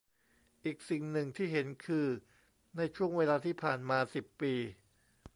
อีกสิ่งหนึ่งที่เห็นคือช่วงเวลาที่ผ่านมา สิบ ปี